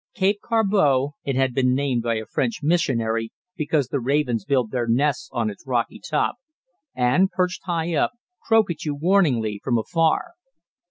Cape Corbeau, it had been named by a French missionary, because the ravens build their nests on its rocky top, and, perched high up, croak at you warningly from afar.